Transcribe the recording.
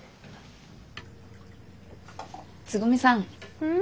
つぐみさん。